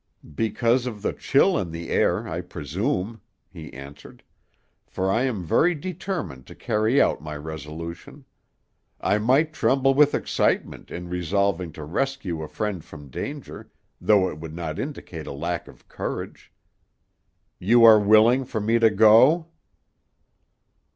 "Because of the chill in the air, I presume," he answered, "for I am very determined to carry out my resolution. I might tremble with excitement in resolving to rescue a friend from danger, though it would not indicate a lack of courage. You are willing for me to go?"